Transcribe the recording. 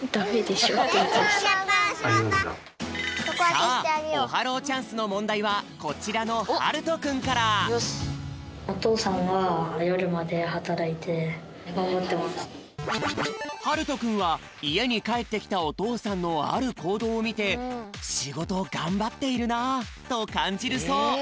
さあオハローチャンスのもんだいはこちらのはるとくんからはるとくんはいえにかえってきたおとうさんのあるこうどうをみて「しごとがんばっているな」とかんじるそう。